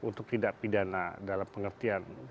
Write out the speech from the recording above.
untuk tidak pidana dalam pengertian